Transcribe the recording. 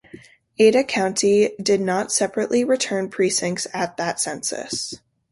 Ada County did not separately return precincts at that census.